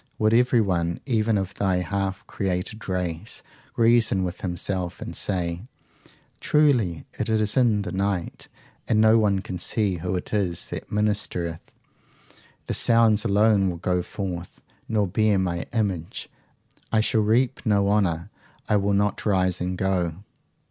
Would everyone even of thy half created race reason with himself and say: Truly it is in the night, and no one can see who it is that ministereth; the sounds alone will go forth nor bear my image; I shall reap no honour; I will not rise and go?